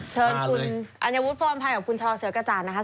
เชิญคุณอัญวุธฟรรณภัยของคุณชเสือกระจานนะครับ